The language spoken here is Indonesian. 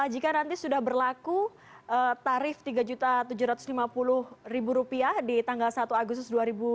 jika nanti sudah berlaku tarif rp tiga tujuh ratus lima puluh di tanggal satu agustus dua ribu dua puluh